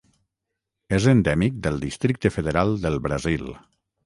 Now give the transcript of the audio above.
És endèmic del Districte Federal del Brasil.